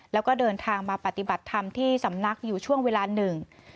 แล้วก็เดินทางมาปฏิบัติธรรมที่สำนักอยู่ช่วงเวลาหนึ่ง